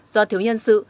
do thiếu nhân sự